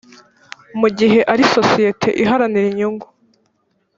mu gihe ari isosiyete iharanira inyungu